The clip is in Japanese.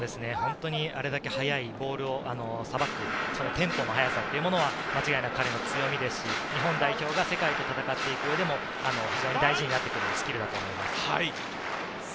あれだけ速いボールをさばくテンポの速さ、間違いなく彼の強みですし、日本代表が世界と戦う上でも大事になってくるスキルだと思います。